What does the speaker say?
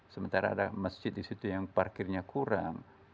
sementara ada masjid di situ yang parkirnya kurang